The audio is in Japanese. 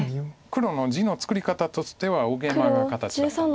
黒の地の作り方としては大ゲイマが形だったんですけど。